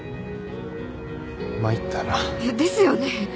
参ったな。ですよね。